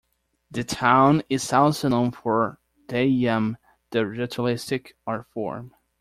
The town is also known for Theyyam, the ritualistic art form.